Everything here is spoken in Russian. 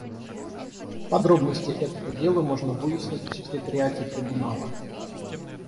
Подробности этого дела можно выяснить в Секретариате Трибунала.